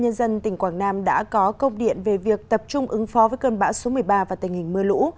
chủ tịch ubnd tỉnh quảng nam đã có câu điện về việc tập trung ứng phó với cơn bão số một mươi ba và tình hình mưa lũ